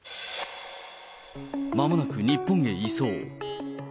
まもなく日本へ移送。